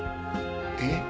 えっ？